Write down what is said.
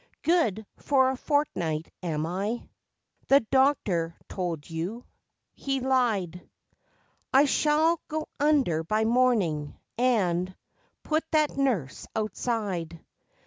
Good for a fortnight, am I? The doctor told you? He lied. I shall go under by morning, and Put that nurse outside.